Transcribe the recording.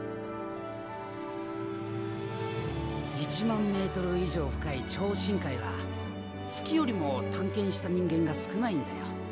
１万メートル以上深い超深海は月よりも探検した人間が少ないんだよ。